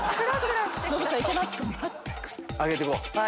上げてこう。